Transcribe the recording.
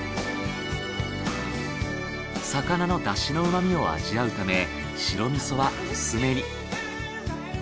魚のだしの旨みを味わうため白味噌は薄めに。